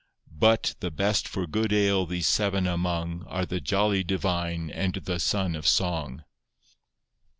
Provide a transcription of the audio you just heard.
But the best for good ale these seven among Are the jolly divine and the son of song.